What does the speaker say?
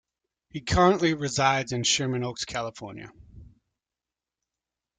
He currently resides in Sherman Oaks, California.